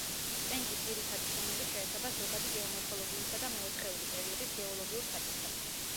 პენკის ძირითადი შრომები შეეხება ზოგადი გეომორფოლოგიისა და მეოთხეული პერიოდის გეოლოგიურ საკითხებს.